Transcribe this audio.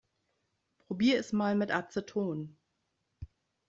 Probier es mal mit Aceton.